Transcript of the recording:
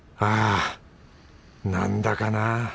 あぁなんだかな